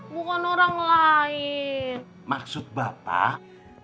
bukan orang lain maksud bapak